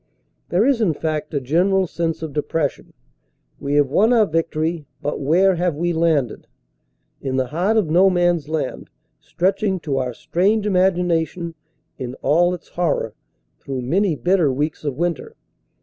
There is, in fact, a general sense of depression. We have won our victory, but where have we landed? In the heart of No Man s Land, stretching to our strained imagination in all its horror through many bitter weeks of winter.